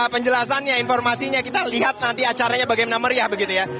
penjelasannya informasinya kita lihat nanti acaranya bagaimana meriah begitu ya